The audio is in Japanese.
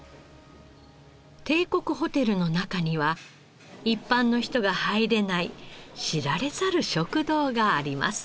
帝国ホテルの中には一般の人が入れない知られざる食堂があります。